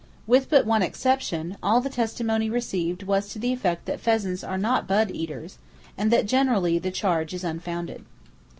With but one exception, all the testimony received was to the effect that pheasants are not bud eaters, and that generally the charge is unfounded.